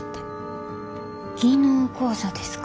技能講座ですか？